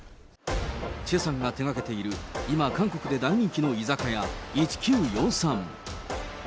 チェさんが手がけている今、韓国で大人気の居酒屋、１９４３。